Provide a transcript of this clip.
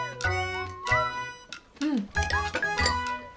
うん。